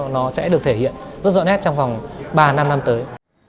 nó sẽ được thể hiện rất rõ nét trong vòng ba năm năm tới